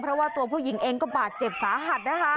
เพราะว่าตัวผู้หญิงเองก็บาดเจ็บสาหัสนะคะ